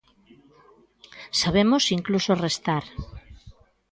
Sabemos incluso restar.